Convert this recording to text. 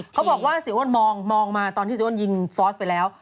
เขาบอกว่าเสียอ้วนมองมาตอนที่เสียอ้วนยิงฟอสไปแล้ว